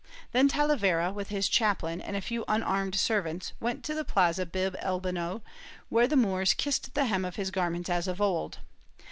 Then Talavera, with his chaplain and a few unarmed servants, went to the plaza Bib el Bonut, where the Moors kissed the hem of his garments as of old.